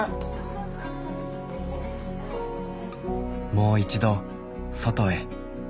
もう一度外へ。